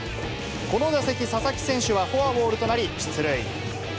この打席、佐々木選手はフォアボールとなり出塁。